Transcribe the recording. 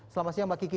selamat siang mbak kiki